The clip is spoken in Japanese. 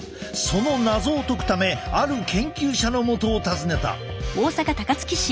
その謎を解くためある研究者のもとを訪ねた。